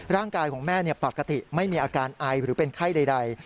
ร่างกายของแม่ปกติไม่มีอาการไอหรือเป็นไข้ใด